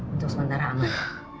untuk sementara aman